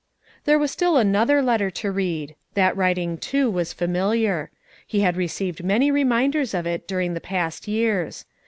There was still another letter to read. That writing, too, was familiar; he had received many reminders of it during the past years.